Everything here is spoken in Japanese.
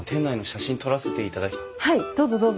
はいどうぞどうぞ。